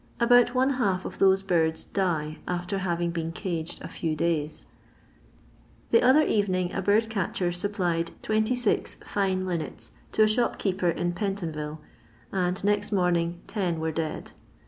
About one half of those birds die after having been caged a few days. The other evening a bird catcher supplied 26 fine linnets to a shopkeeper in Pen ton vi He, and next roominfl[ ten were dead.